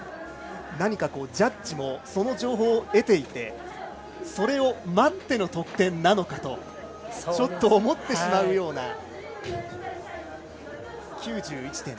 何か、ジャッジもその情報を得ていてそれを待っての得点なのかとちょっと思ってしまうような。